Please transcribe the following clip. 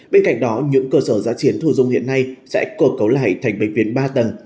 bên cạnh đó những cơ sở giá chiến thù dung hiện nay sẽ cơ cấu lại thành bệnh viện ba tầng